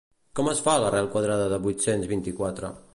Com es fa l'arrel quadrada de vuit-cents vint-i-quatre?